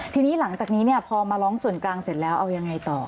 ทีนี้หลังจากนี้เนี่ยพอมาร้องส่วนกลางเสร็จแล้วเอายังไงต่อ